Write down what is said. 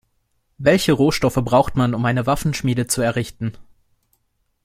Welche Rohstoffe braucht man, um eine Waffenschmiede zu errichten?